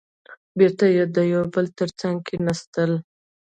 بېرته يو د بل تر څنګ کېناستل.